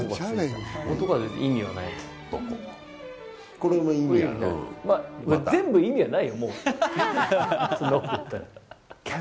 これの意味はない。